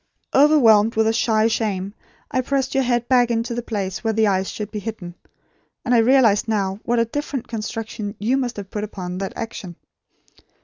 Overwhelmed with a shy shame I pressed your head back to the place where the eyes would be hidden; and I realise now what a different construction you must have put upon that action.